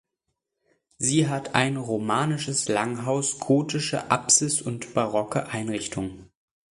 Sie hat ein romanisches Langhaus, gotische Apsis und barocke Einrichtung.